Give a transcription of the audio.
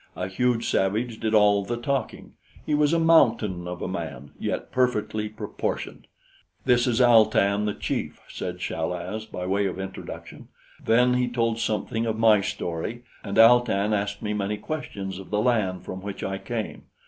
A huge savage did all the talking. He was a mountain of a man, yet perfectly proportioned. "This is Al tan the chief," said Chal az by way of introduction. Then he told something of my story, and Al tan asked me many questions of the land from which I came.